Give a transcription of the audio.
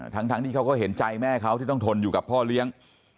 ทั้งที่เขาก็เห็นใจแม่เขาที่ต้องทนอยู่กับพ่อเลี้ยง